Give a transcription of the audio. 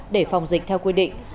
để phòng dịch theo quy định